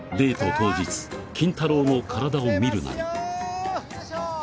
当日筋太郎の体を見るなりよいしょ！